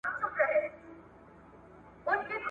ځینې خواړه د وزن زیاتېدو سبب کېږي.